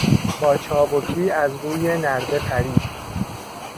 با چابکی از روی نرده پرید.